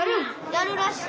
やるらしい。